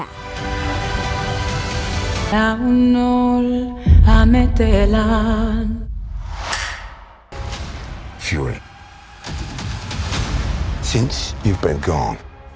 kita akan mencoba untuk mencoba